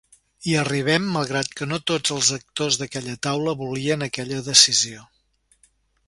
Hi arribem malgrat que no tots els actors d’aquella taula volien aquella decisió.